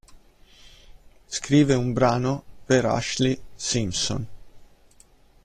Scrive un brano per Ashlee Simpson.